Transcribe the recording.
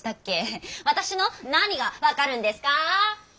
私の何が分かるんですか？